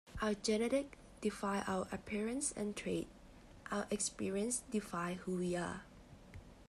Our genetics define our appearances and traits. Our experiences define who we are.